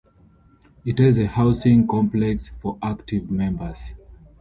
It has a housing complex for active members.